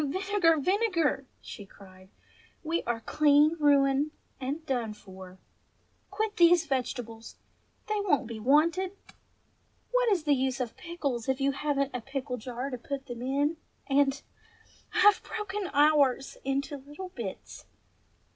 "Oh, Vinegar, Vinegar!" she cried. "We are clean ruined and done for ! Quit these vegetables ! they won't be wanted ! What is the use of pickles if you haven't a pickle jar to put them in, and — I've broken ours — into little bits